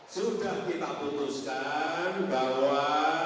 sudah kita putuskan bahwa